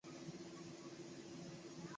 这些皮内成骨以平行方式沿者身体排列。